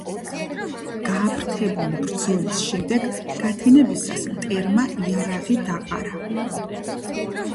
გააფთრებული ბრძოლის შემდეგ, გათენებისას, მტერმა იარაღი დაყარა.